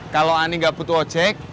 kalau ani nggak butuh ojek